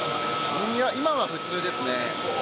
いや、今は普通ですね。